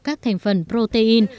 các thành phần protein